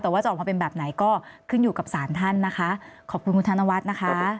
แต่ว่าจะออกมาเป็นแบบไหนก็ขึ้นอยู่กับสารท่านนะคะขอบคุณคุณธนวัฒน์นะคะ